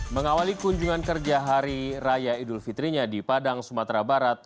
mengawali kunjungan kerja hari raya idul fitrinya di padang sumatera barat